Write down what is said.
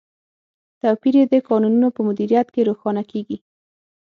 توپیر یې د کانونو په مدیریت کې روښانه کیږي.